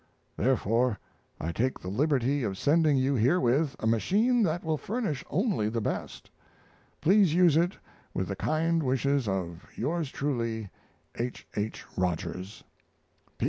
Therefore, I take the liberty of sending you herewith a machine that will furnish only the best. Please use it with the kind wishes of Yours truly, H. H. ROGERS.